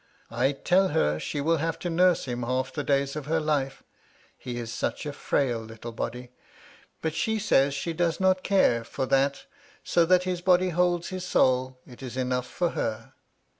I tell her she will have to nurse ' him half the days of her life, he is such a frail little ' body. But she says she does not care for that, so that ' his body holds his soul, it is enough for her.